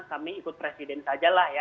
kami ikut presiden sajalah ya